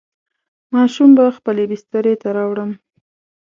ماشوم به خپلې بسترې ته راوړم.